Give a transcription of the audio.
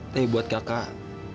tapi buat kakak